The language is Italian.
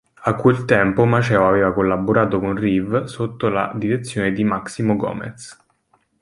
A quel tempo Maceo aveva collaborato con Reeve sotto la direzione di Máximo Gómez.